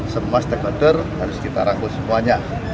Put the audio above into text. semua stakeholder harus kita rangkul semuanya